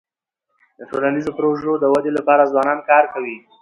د ټولنیزو پروژو د ودی لپاره ځوانان کار کوي.